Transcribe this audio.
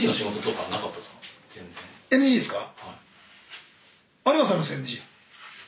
「ＮＧですか？」